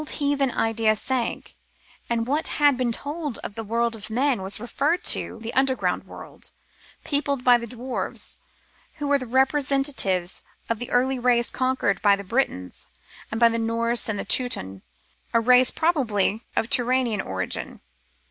M, p. 665, 288 The Philosopher's Stone heathen idea sank, and what had been told of the world of men was referred to the underground world, peopled by the dwarfs, who were the representatives of the early race conquered by the Britons, and by Norse and Teuton, a race probably of Turanian origin.